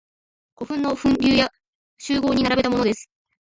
古墳の墳丘や周濠に並べられたものです。